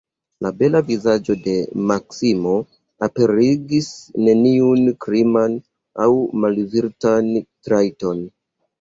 La bela vizaĝo de Maksimo aperigis neniun kriman aŭ malvirtan trajton.